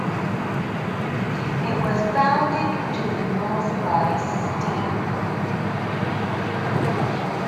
It was bounded to the north by Ste.